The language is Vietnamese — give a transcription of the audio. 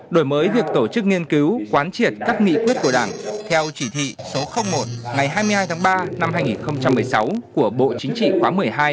đổi mới việc tổ chức nghiên cứu quán triệt các nghị quyết của đảng theo chỉ thị số một ngày hai mươi hai tháng ba năm hai nghìn một mươi sáu của bộ chính trị khóa một mươi hai